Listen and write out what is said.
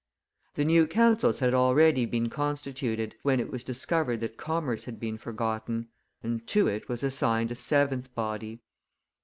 The new councils had already been constituted, when it was discovered that commerce had been forgotten; and to it was assigned a seventh body.